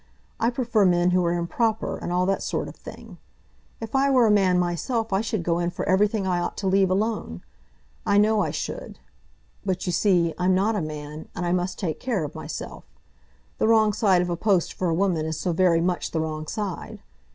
I prefer men who are improper, and all that sort of thing. If I were a man myself I should go in for everything I ought to leave alone. I know I should. But you see, I'm not a man, and I must take care of myself. The wrong side of a post for a woman is so very much the wrong side.